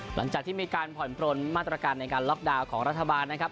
หลังจากที่มีการผ่อนปลนมาตรการในการล็อกดาวน์ของรัฐบาลนะครับ